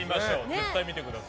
絶対見てください。